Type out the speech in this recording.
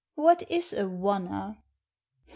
What is a oner